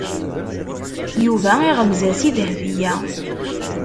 Yuba iɣemmez-as i Dahbiya.